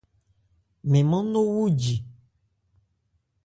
Mɛn mâ nó wúji.